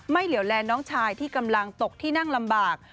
เหลี่ยวแลน้องชายที่กำลังตกที่นั่งลำบาก